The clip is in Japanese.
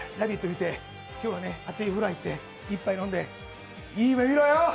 見て、今日は熱い風呂入って１杯飲んでいい夢みろよ！